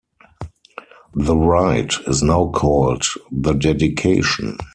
The rite is now called the dedication.